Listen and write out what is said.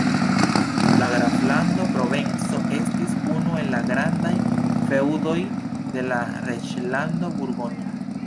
La graflando Provenco estis unu el la grandaj feŭdoj de la reĝlando Burgonjo.